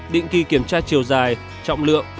định kỳ kiểm tra chiều dài trọng lượng